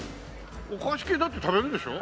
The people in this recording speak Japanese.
お菓子系だって食べるでしょ？